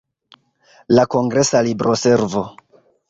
La kongresa libroservo.